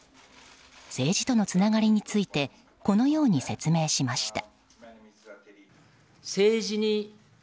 政治とのつながりについてこのように説明しました。